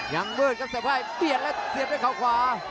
ยังเมิดครับสวัสดีครับเปรียดแล้วเสียดด้วยเขาขวา